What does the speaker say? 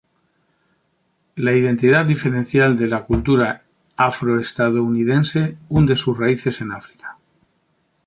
La identidad diferencial de la cultura afroestadounidense hunde sus raíces en África.